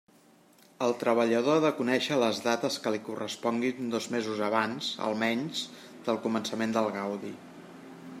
El treballador ha de conèixer les dates que li corresponguin dos mesos abans, almenys, del començament del gaudi.